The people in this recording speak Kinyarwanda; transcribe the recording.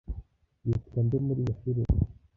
yitwa nde muri iyo filime